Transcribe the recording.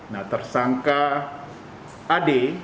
nah tersangka ade